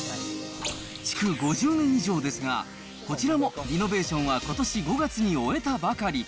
築５０年以上ですが、こちらもリノベーションはことし５月に終えたばかり。